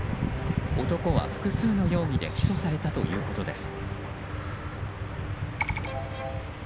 男は複数の容疑で起訴されたということです。